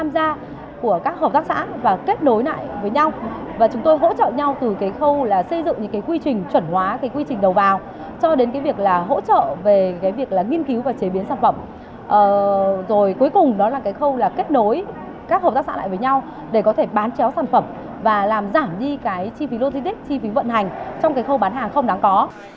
rồi cuối cùng đó là cái khâu là kết nối các hợp tác xã lại với nhau để có thể bán chéo sản phẩm và làm giảm đi cái chi phí logistic chi phí vận hành trong cái khâu bán hàng không đáng có